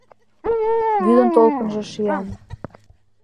Вӱдын толкынжо шиян.